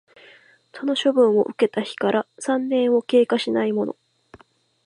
その処分を受けた日から三年を経過しないもの